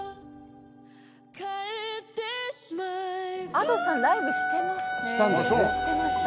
Ａｄｏさんライブしてました。